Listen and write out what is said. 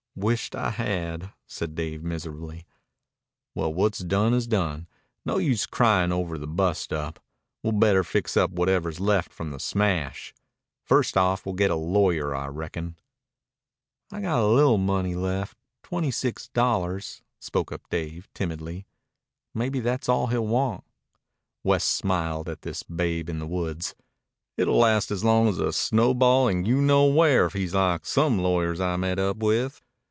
"Wisht I had," said Dave miserably. "Well, what's done's done. No use cryin' over the bust up. We'd better fix up whatever's left from the smash. First off, we'll get a lawyer, I reckon." "I gotta li'l' money left twenty six dollars," spoke up Dave timidly. "Maybe that's all he'll want." West smiled at this babe in the woods. "It'll last as long as a snowball in you know where if he's like some lawyers I've met up with."